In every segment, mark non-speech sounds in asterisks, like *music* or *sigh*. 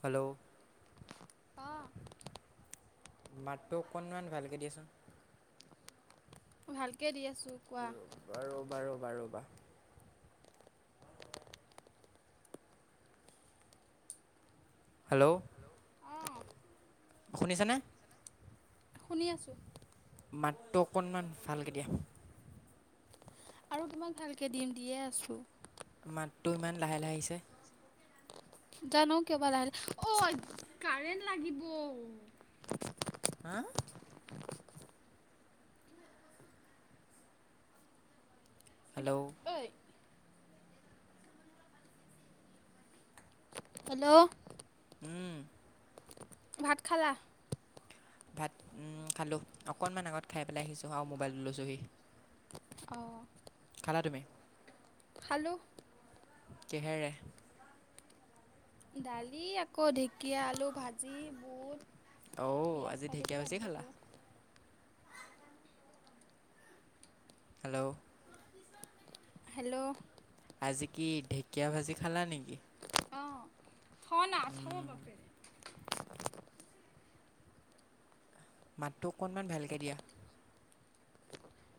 Hello অ', মাতটো অকণমান ভালকে দিয়াচোন। ভালকে দি আছোঁ কোৱা? বাৰু বাৰু বাৰু বা হেল্ল' শুনিছানে? শুনি আছোঁ। মাতটো অকণমান ভালকে দিয়া। আৰু কিমান ভালকে দিম দিয়ে আছো মাতটো ইমান লাহে লাহে আহিছে জানো কিয়বা লাহিলে অ কাৰেণ্ট লাগিব হা হেল্ল' ঐ হেল্ল' উম ভাত খালা ভাত খালোঁ অকণমান আগত খাই পেলাই আহিছোঁ আৰু মোবাইলত লৈছোঁহি অ', খালা তুমি? খালোঁ। কিহেৰে? দালি আকৌ ঢেকীয়া, আলু ভাজি, বুট। অ', পিঁয়াজ আজি কাটি ঢেকীয়া পেলাই ভাজি এনেকৈ খালা। খালোঁ। হেল্ল' হেল্ল' আজ কি ঢেকীয়া ভাজি খালানি? থ' না থ' উম, বাপেৰে। মাতটো অকণমান ভালকে দিয়া।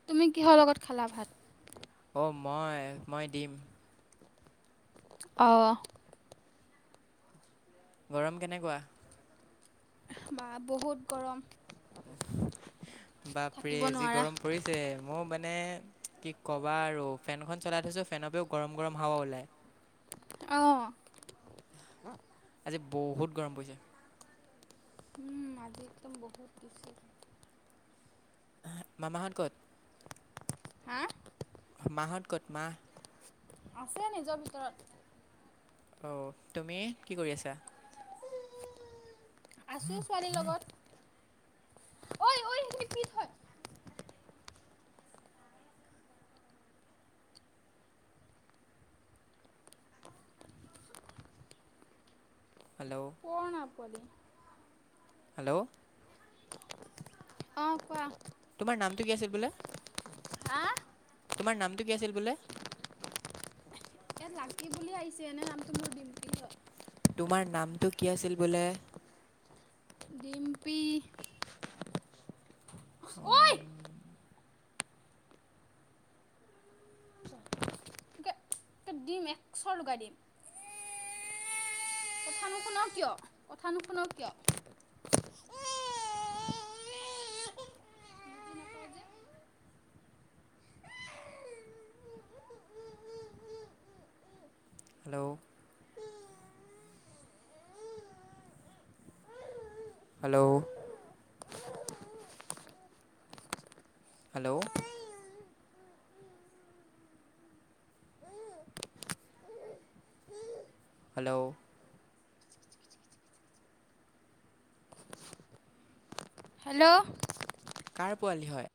তুমি কিহৰ লগত খালা ভাত? অ', মই - মই দিম। অ', গৰম কেনেকুৱা? বা বহুত গৰম। থাকিব বাপৰে যি নোৱাৰা। গৰম পৰিছে মই মানে কি কবা আৰু ফেনখন চলাই থৈছো ফেনৰ পৰাওঁ গৰম গৰম হাৱা ওলাই। অ', আজি বহুত গৰম পৰিছে। উম, আজি একদম বহুত বেছি। মামাহত কত? হাঁ? মাহত কট মা? আছে নিজৰ ভিতৰত অ', তুমি কি কৰি আছা? আছোঁ ছোৱালী লগত। ঐ ঐ *unintelligible* হেল্ল' পৰ না পোৱালি। হেল্ল'। অ', কোৱা। তোমাৰ নামটো কি আছিল বোলে? হাঁ। তোমাৰ নামটো কি আছিল বোলে? ইয়াত লাকি বুলি আহিছে এনে নামটো মই দিমপি হয়। তোমাৰ নামটো কি আছিল বোলে? ডিম্পি। ঐ উম, তোকে তোকে দিম এক চৰ লগাই দিম। কথা নুশুন কিয় কথা নুশুন কিয়? *unintelligible* যে hello. Hello. Hello. Hello. Hello. কাৰ পোৱালি হয়?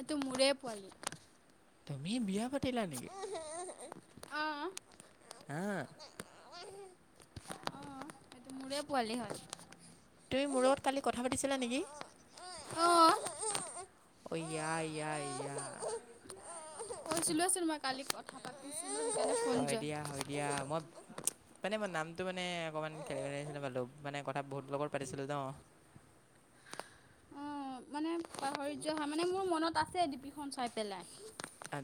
এইটো মোৰে পোৱালি। তুমি বিয়া পাতিলা নেকি? অহ। হা *unintelligible* সেইটো মোৰে পোৱালি হয়। তুমি মোৰ লগত কালি কথা পাতিছিলা নেকি? অহ। অয়া য়া য়া য়া। কৈছিলো আছিল মই কালি কথা পাতি হয় দিয়া হয় দিয়া মই মানে মানে নামটো মানে অকমান খেলি মেলিছিলে ভালো মানে কথা বহুত লগত পাতিছিলো ন। *inaudible* *unintelligible* মানে মোৰ মনত আছে ডিপিখন চাই পেলাই।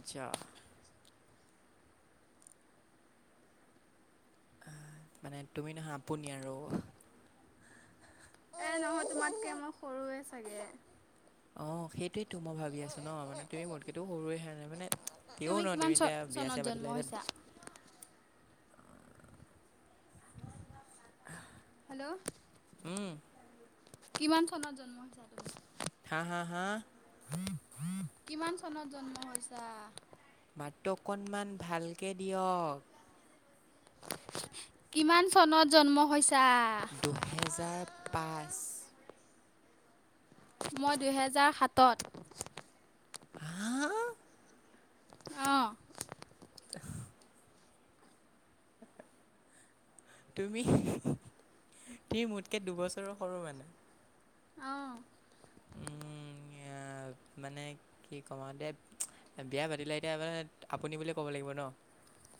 আতচা। আহ মানে তুমি নহয় আপুনি আৰু এ নহয় তোমাতকে মই সৰুৱে চাগে অ সেইটোয়ে তো মই ভাবি আছো ন মানে তুমি মৰ্কটো সৰুৱেণে মানে ও ন কিমান তুমি চ এতিয়া বিয়া চনত চয়া জন্ম পাতিলা এতিয়া হৈছা? *unintelligible* হেল্ল'। হম। কিমান চনত জন্ম হৈছা তুমি হা হা হা কিমান চনত জন্ম হৈছা? মাতটো অকণমান ভালকে দিয়ক কিমান চনত জন্ম হৈছে দুহেজাৰ পাঁচ মই দুহেজাৰ সাতত হা অঁ *inaudible* তুমি তুমি মোতকে দুবছৰৰ সৰু মানে অঁ। *inaudible* এ মানে কি কম আৰু দে বিয়া পাতিলে এতিয়া মানে আপুনি বুলিয়ে ক'ব লাগিব ন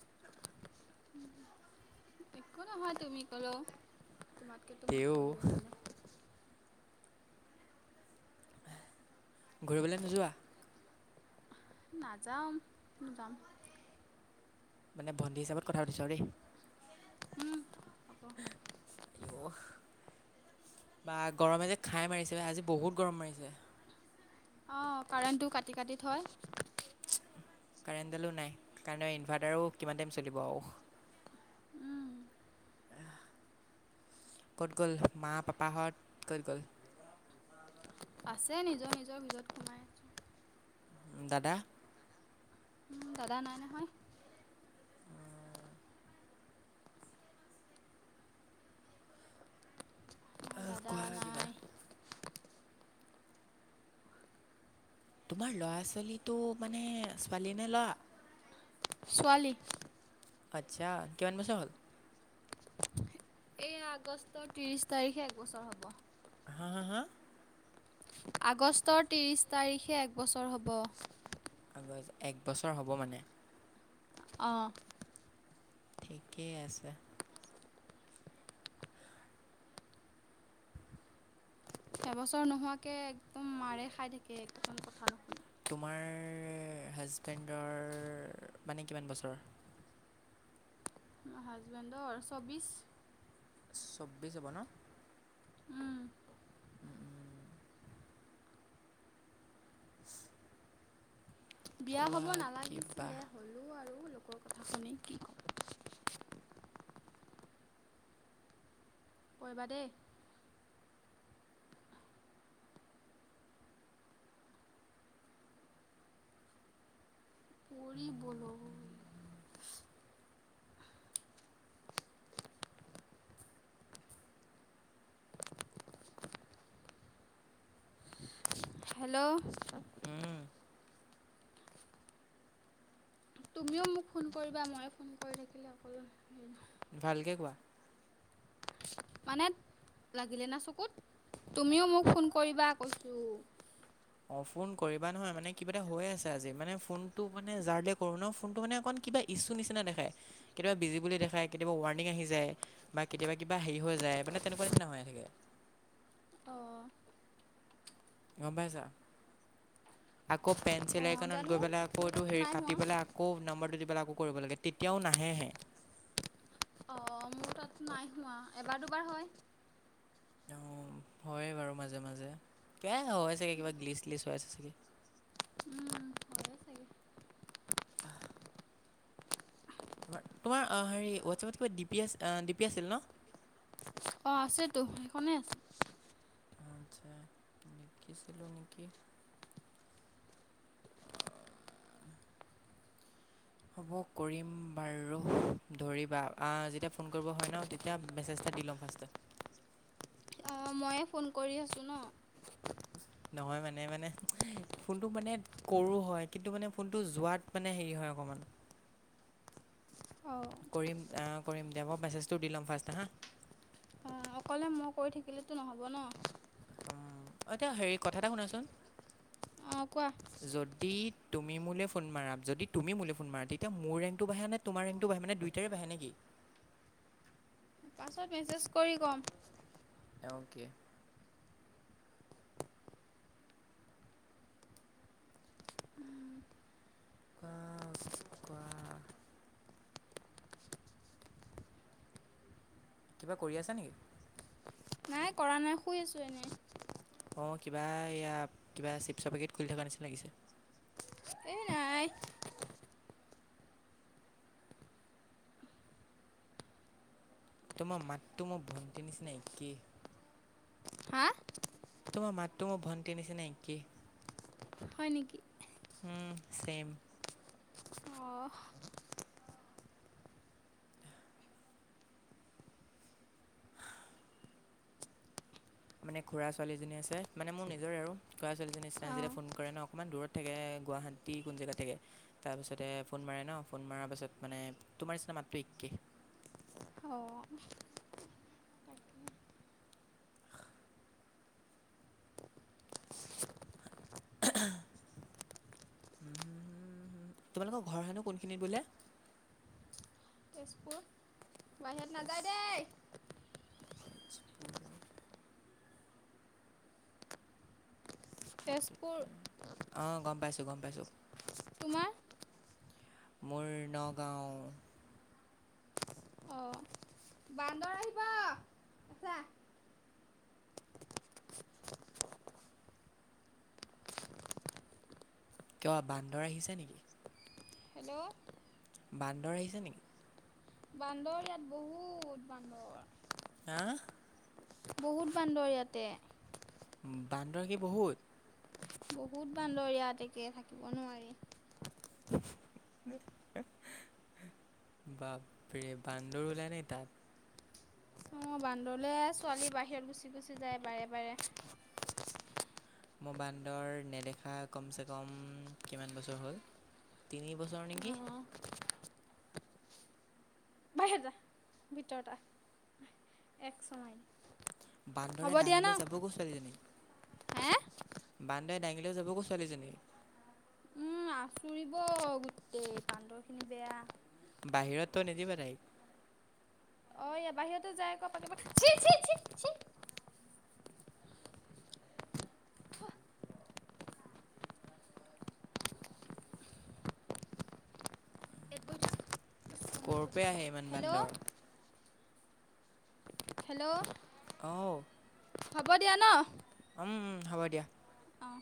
*inaudible* একো নহয় তুমি ক'লেও তোমাতকেটো মই তেও সৰুৱে হয় ন ঘূৰিবলৈ নোযোৱা? নাযাওঁ কো *unintelligible* যাম মানে ভণ্টি হিচাপত কথা পাতিছো আৰু দেই। উম। হ'ব কি হ'ব? বা গৰমে যে খাই মাৰিছে, আজি বহুত গৰম মাৰিছে। অ', কাৰেণ্টটো কাটি কাটি থয়। কাৰেণ্টডালো নাই কাৰনে ইনভাৰ্টাৰো কিমান টাইম চলিব আৰু উম কত গ'ল মা পাপা হত কত গল আছে নিজৰ নিজৰ ভিতৰত সোমাই আছে দাদা উম দাদা নাই নহয় আমাৰ দাদা কোৱা কিবা নাই তোমাৰ ল'ৰা ছোৱালীটো মানে ছোৱালী নে লৰা ছোৱালী আচ্ছা, কিমান বছৰ হ'ল? এই আগষ্টৰ ত্ৰিশ তাৰিখে একবছৰ হ'ব। হা হা হা। আগষ্টৰ ত্ৰিছ তাৰিখে এক বছৰ হ'ব। এক বছৰ হ'ব মানে অ'। ঠিকেই আছে। এবছৰ নোহোৱাকে একদম মাৰে খাই থাকে একদম কথা নুশুনে তোমাৰ হাজবেণ্ডৰ মানে, কিমান বছৰ? হাজবেন্ডৰ চৌব্বিছ। চৌব্বিছ হ'ব ন'। উম। বিয়া হব কোৱা কিবা নালাগিছিলে হ'লো আৰু। লোকৰ কথা শুনি কি ক'ব। পঢ়িবা দেই। পৰি বলৈ *unintelligible* হেল্ল'। তুমিও মোক ফোন কৰিবা ময়ো ফোন কৰি থাকিলে অকল হেৰি নহই ভালকে কোৱা। মানে লাগিলে না চকুত, তুমিও মোক ফোন কৰিবা কৈছো। অ', ফোন কৰিবা নহয় মানে কিবা এটা হৈ আছে আজি মানে ফোনটো মানে যাৰলে কৰো ন', ফোনটো মানে অকণ কিবা ইছ্যু নিচিনা দেখাই, কেতিয়াবা বিজি বুলি দেখাই কেতিয়াবা ৱাৰ্ণিং আহি যায় বা কেতিয়াবা কিবা হেৰি হৈ যায় যায় মানে তেনেকুৱা নিচিনা হৈয়ে থাকে। অ'। গম পাইছা। আকৌ পেন চিলাই অঁ খনত জানো গৈ মোৰ পেলাই আকৌ তাততো হেৰি নাই কাটি হোৱা পেলাই আকৌ নাম্ফাৰটো কৰিব লাগে, তেতিয়াও নাহেহে। অঁ মোৰ তাততো নাই হোৱা, এবাৰ দুবাৰ হয়। হয়ে বাৰু মাজে মাজে, ক হয় চাগে কিবা গ্লিচ লিচ হৈছে চাগে। উম হয়ে চাগে তোমাৰ হেৰি হোৱাটছএপত কিবা ডি পি আ ডি পি আছিল ন'। অ', আছেতো সেই খনে আছে। আচ্ছা নকিছিলিলোঁ নিকি। হ'ব কৰিম বাৰু ধৰিবা যেতিয়া ফোন কৰিব হয় ন', তেতিয়া মেছে ত দি লম ফাষ্টে অ', ময়ে ফোন কৰি আছোঁ ন? নহয় মানে, মানে ফোনটো মানে কৰো হয় কিন্তু মানে ফোনটো যোৱাত মানে হেৰি হয় অকমান। *unintelligible* অঁ কৰিম আহ, কৰিম দিয়া, মই মেছেজটো দি ল'ম ফাৰ্ষ্টে হা। অঁ অকলে মই কৈ থাকিলেতো নহ'ব ন! উম, এতিয়া হেৰি কথা এটা শুনাচোন। অঁ কোৱা যদি তুমি মোলে ফোন মাৰা, যদি তুমি মোলে ফোন মাৰা তেতিয়া মোৰ ৰেংকটো বাঢ়ে নে তোমাৰ ৰেংকটো বাঢ়ে মানে দুইটাৰে বাঢ়ে নে কি। পাছত মেছেজ কৰি কম। অ'কে। কোৱা কোৱা। কিবা কৰি আছা নেকি? পৰা নাই শুই আছোঁ এনেই। অঁ, কিবা এয়া কিবা চিপছৰ পেকেট খুলি থকা নিচি লাগিছে। এ নাই। তোমাৰ মাতটো মই ভণ্টিৰ নিচিনা একেই। হা তোমাৰ মাতটো মোৰ ভণ্টিৰ নিচিনা একেই। হয় নেকি? উম, চেম। অঁ মানে খুৰা ছোৱালীজনী আছে মানে মোৰ নিজৰে আৰু খুৰা ছোৱালীজনী নিচিনা যেতিয়া অঁ ফোন কৰে ন অকনমান দূৰত থাকে গুৱাহাটী, কোন জেগাত থাকে! তাৰ পিছতে ফোন মাৰে ন, ফোন মাৰ পাছত মানে তোমাৰ নিচিনা মাতটো এক কে। অঁ। তাকে *inaudible* হম হ, তোমালোকৰ ঘৰ হেনো কোনখিনিত বোলে? তেজপুৰ। বাহিৰত তেজ নাযায় দেই তেজপুৰ। তেজপুৰ অ', গম পাইছো, গম পাইছো। তোমাৰ? মোৰ নগাঁও। অঁ বান্দৰ আহিব আছা। কিয় বান্দৰ আহিছে নেকি? হেল্ল' বান্দৰ আহিছে নেকি? বান্দৰ ইয়াত বহুত বান্দৰ। হা? বহুত বান্দৰ ইয়াতে। বান্দৰ কি বহুত? বহুত বান্দৰ ইয়াত একে, থাকিব নোৱাৰি। *inaudible* বাপৰে! বান্দৰও ওলাই নি তাত? অঁ, বান্দৰলৈ, ছোৱালী বাহিৰত গুচি গুচি যায় বাৰে বাৰে। মোৰ বান্দৰ নেদেখা কমচে কম কিমান বছৰ হ'ল! তিনি বছৰ নেকি। অঁ বাহিৰত জা, ভিতৰত আহ। এক চৰ মাৰিম। বান্দৰে দাঙি লৈ যাবগৈ ছোৱালীজনীক। হে বান্দৰে দাঙিলৈ যাবগৈ ছোৱালীজনী। আাঁচুৰিব গোটেই বান্দৰ খিনি বেয়া। বাহিৰত থৈ নিদিবা তাইক। অ এয়া বাহিৰতো যায় আকৌ পতাপত *unintelligible* ক'ৰ পৰা আহে ইমান হেল্ল' বান্দৰ? হেল্ল'! অ' হ'ব দিয়া ন উম হ'ব দিয়া অঁ